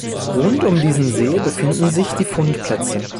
Rund um diesen See befinden sich die Fundplätze.